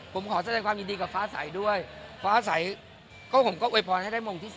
ผมขอแสดงความยินดีกับฟ้าใสด้วยฟ้าใสก็ผมก็อวยพรให้ได้มงที่๓